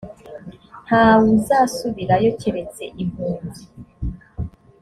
nta wuzasubirayo keretse impunzi .